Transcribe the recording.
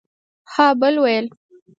ها بل ويل